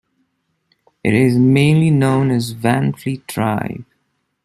It is mainly known as "Van Fleet Drive".